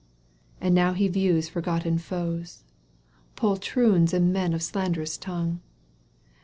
— And now he views forgotten foes, Poltroons and men of slanderous tongue.